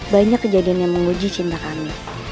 banyak kejadian yang menguji cinta kami